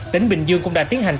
tỉnh bình dương cũng đã tiến hành